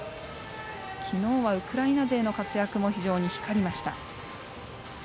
昨日はウクライナ勢の活躍も非常に光りました。